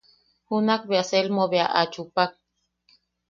Junak bea Selmo bea a chupak.